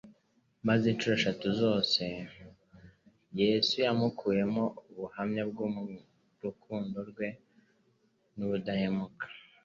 Maze inshuro eshatu zose Yesu yamukuyemo ubuhamya bw'urukundo rwe n'ubudahemuka,